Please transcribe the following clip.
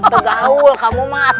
tegaul kamu mat